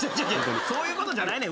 そういうことじゃないねん。